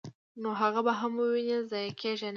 نو هغه به هم وويني، ضائع کيږي نه!!.